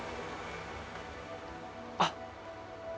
あっ！